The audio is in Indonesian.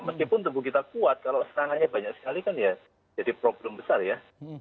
meskipun tubuh kita kuat kalau serangannya banyak sekali kan ya jadi problem besar ya